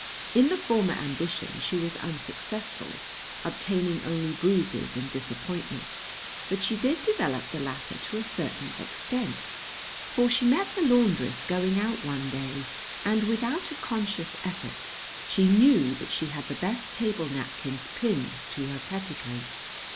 In the former ambition she was unsuccessful, obtaining only bruises and disappointment; but she did develop the latter to a certain extent, for she met the laundress going out one day and, without a conscious effort, she knew that she had the best table napkins pinned to her petticoat.